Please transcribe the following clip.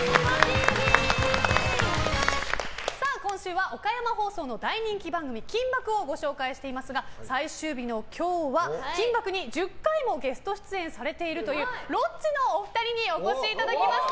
今週は岡山放送の大人気番組「金バク！」をご紹介していますが最終日の今日は「金バク！」に１０回もゲスト出演されているというロッチのお二人にお越しいただきました。